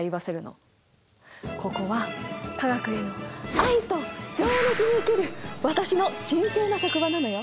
ここは化学への愛と情熱に生きる私の神聖な職場なのよ！